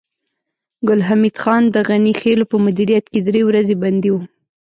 ګل حمید خان د غني خېلو په مدیریت کې درې ورځې بندي و